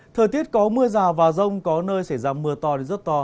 thời tiết có mưa rào và rông có nơi xảy ra mưa to đến rất to